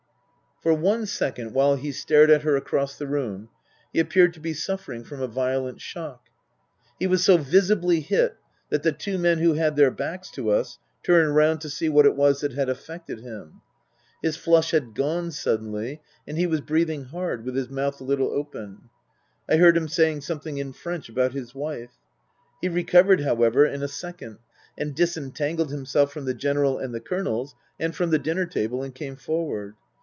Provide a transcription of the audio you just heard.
For one second, while he stared at her across the room, he appeared to be suffering from a violent shock. He was so visibly hit that the two men who had their backs to us turned round to see what it was that had affected him. His flush had gone suddenly and he was breathing hard, with his mouth a little open. I heard him saying something in French about his wife. He recovered, however, in a second, and disentangled himself from the General and the Colonels and from the dinner table, and came forward.